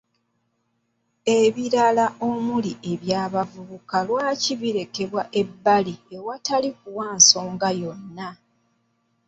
Ebirala omuli eky’abavubuka lwaki birekebwa ebbali awatali kuwa nsonga yonna.